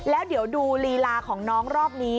แล้วเดี๋ยวดูลีลาของน้องรอบนี้